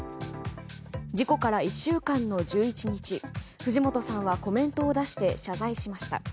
事故から１週間の１１日藤本さんはコメントを出して謝罪しました。